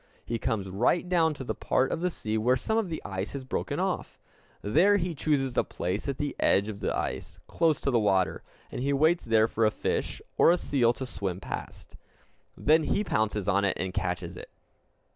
He comes right down to the part of the sea where some of the ice has broken off. There he chooses a place at the edge of the ice, close to the water; and he waits there for a fish or a seal to swim past. Then he pounces on it and catches it.